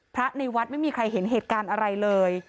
พระในวัดไม่มีใครเห็นเหตุการณ์อะไรเลย